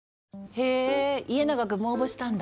へえ家長くんも応募したんだ。